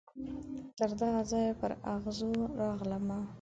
تر دغه ځایه پر اغزو راغلمه